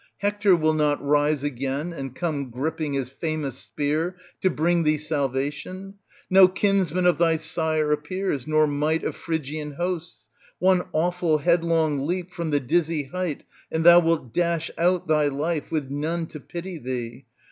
Hector will not rise again and come gripping his famous spear to bring thee salvation ; no kinsman of thy sire appears, nor might of Phrygian hosts ; one awful headlong leap from the dizzy height and thou wilt dash out thy life with none to pity thee